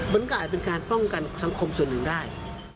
มันก็อาจเป็นการป้องกันสังคมส่วนหนึ่งได้